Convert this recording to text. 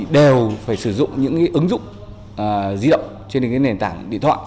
đều phải sử dụng những ứng dụng di động trên nền tảng điện thoại